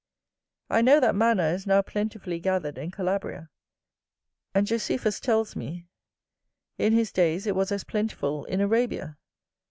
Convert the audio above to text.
I know that manna is now plentifully gathered in Calabria; and Josephus tells me, in his days it was as plentiful in Arabia.